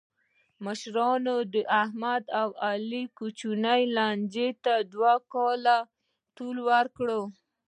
مشرانو د احمد او علي کوچنۍ لانجې ته دوه کاله طول ورکړ.